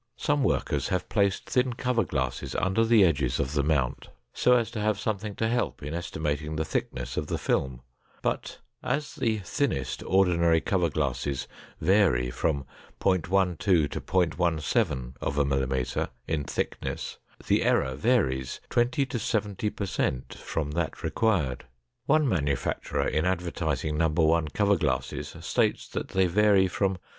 Some workers have placed thin cover glasses under the edges of the mount so as to have something to help in estimating the thickness of the film, but as the thinnest ordinary cover glasses vary from .12 to .17 mm in thickness, the error varies 20 to 70 per cent from that required. One manufacturer in advertising No. 1 cover glasses states that they vary from 0.